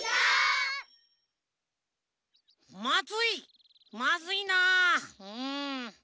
まずいまずいなあうん。